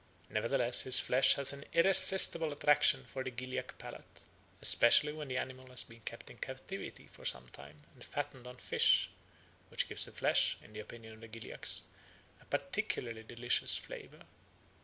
Nevertheless his flesh has an irresistible attraction for the Gilyak palate, especially when the animal has been kept in captivity for some time and fattened on fish, which gives the flesh, in the opinion of the Gilyaks, a peculiarly delicious flavour.